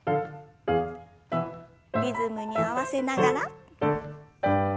リズムに合わせながら。